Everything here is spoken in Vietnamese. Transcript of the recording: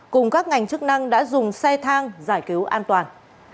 cùng các ngành chức năng đã dùng xe thang giải cứu an toàn